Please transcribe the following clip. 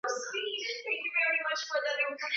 tangu kuanza kwa siku ya wanawake duniani